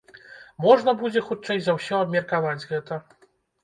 Можна будзе, хутчэй за ўсё, абмеркаваць гэта.